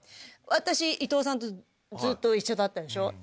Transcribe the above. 私伊藤さんとずっと一緒だったでしょ。